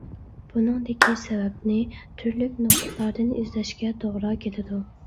بۇنىڭدىكى سەۋەبنى تۈرلۈك نۇقتىلاردىن ئىزدەشكە توغرا كېلىدۇ.